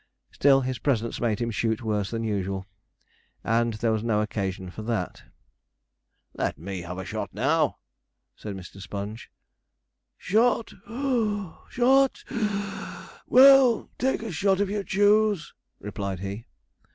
Still his presence made him shoot worse than usual, and there was no occasion for that. 'Let me have a shot now,' said Mr. Sponge. 'Shot (puff) shot (wheeze); well, take a shot if you choose,' replied he.